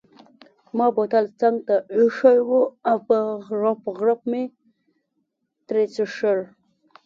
ما بوتل څنګته ایښی وو او په غوړپ غوړپ مې ترې څیښل.